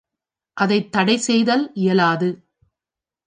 அதைத் தடை செய்தல் இயலாது.